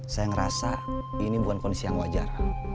saya ngerasa ini bukan kondisi yang wajar